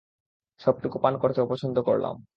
সবটুকু পান করতে অপছন্দ করলাম।